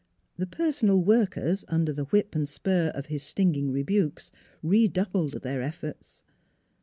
The " personal workers " under the whip and spur of his stinging rebukes redoubled their ef forts.